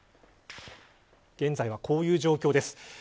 現在はこういう状況です。